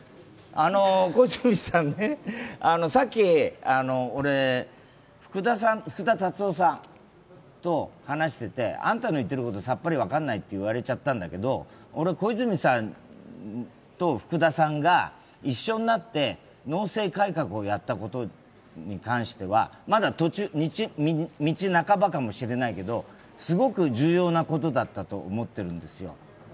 さっき、俺、福田達夫さんと話していてあんたの言ってることさっぱり分かんないと言われちゃったんだけど俺、小泉さんと福田さんが一緒になって、農政改革をやったことに関してはまだ道半ばかもしれないけどすごく重要なことだったと思ってるんですよ。